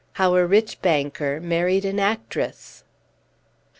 HOW A RICH BANKER MARRIED AN ACTRESS.